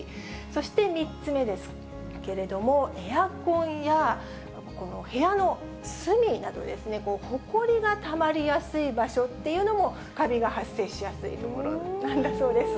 そして３つ目ですけれども、エアコンやこの部屋の隅などですね、ほこりがたまりやすい場所っていうのも、かびが発生しやすい所なんだそうです。